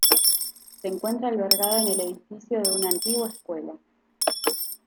Se encuentra albergada en el edificio de una antigua escuela.